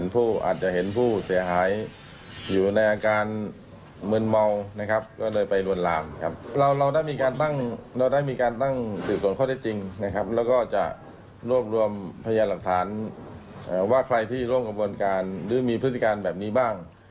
เป็นหลักฐานว่าใครที่ร่วมกับบุญการหรือมีพฤติการแบบนี้บ้าง